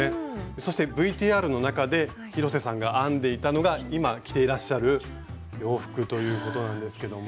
そしてＶＴＲの中で広瀬さんが編んでいたのが今着ていらっしゃる洋服ということなんですけども。